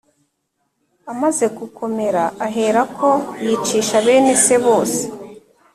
amaze gukomera aherako yicisha bene se bose